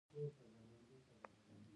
د سرسنګ کانونه د لاجوردو مرکز دی